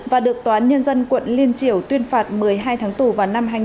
và được tòa án nhân dân quận liên triều tuyên phạt một mươi hai tháng tù vào năm hai nghìn một mươi tám